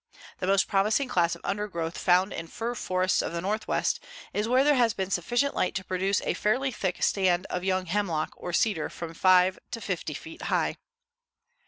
The most promising class of undergrowth found in fir forests of the Northwest is where there has been sufficient light to produce a fairly thick stand of young hemlock or cedar from five to fifty feet high.